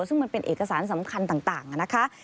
ซึ่งมันเป็นเอกสารสำคัญต่างนะคะ